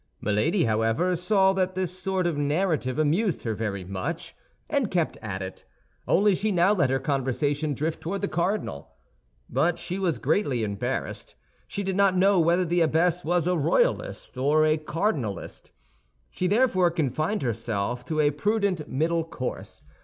Milady, however, saw that this sort of narrative amused her very much, and kept at it; only she now let her conversation drift toward the cardinal. But she was greatly embarrassed. She did not know whether the abbess was a royalist or a cardinalist; she therefore confined herself to a prudent middle course.